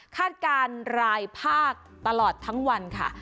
คาดการณ์รายภาคตลอดทั้งวันค่ะ